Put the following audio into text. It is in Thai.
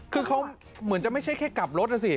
คือเขาเหมือนจะไม่ใช่แค่กลับรถนะสิ